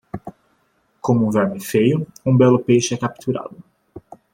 Com um verme feio, um belo peixe é capturado.